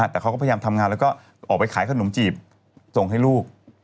แต่เขาก็พยายามทำงานแล้วก็ออกไปขายขนมจีบส่งให้ลูก